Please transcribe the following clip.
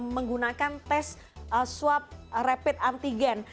menggunakan tes swab rapid antigen